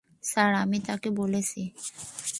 Sir, আমি তাকে বলেছি।